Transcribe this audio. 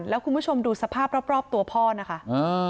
แล้วคุณผู้ชมดูสภาพรอบตัวพ่อนะคะ